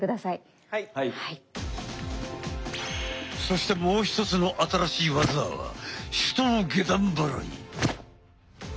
そしてもうひとつの新しい技は手刀下段払い。